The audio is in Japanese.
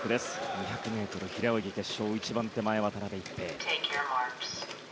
２００ｍ平泳ぎ決勝一番手前、渡辺一平。